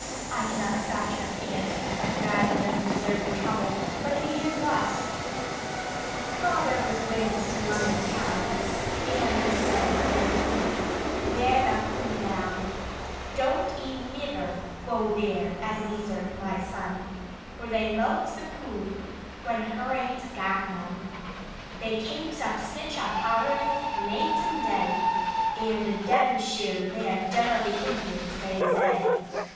I cannot stop to repeat it, neither does it deserve the trouble; but it began thus: "Fayther was wance to Lonnon town, And a zed, zed he, whan a coom down, 'Don't e niver goo there, Ebenezer my son, For they mulks a coo, when her ain't gat none. They kapes up sich a hollerin, naight and day, And a Devonsheer man dunno the impudence they zay.